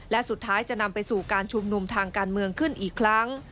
และสุดท้ายจะนำไปสู่การชุมนุมทางการเมืองขึ้นอีกครั้ง